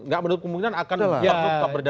gak menurut kemungkinan akan berdatangan begitu